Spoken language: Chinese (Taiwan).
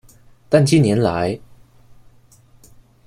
但近年來